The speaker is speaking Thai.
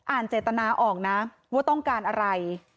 เจตนาออกนะว่าต้องการอะไร